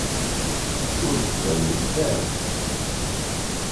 Ur d-sawlent ara.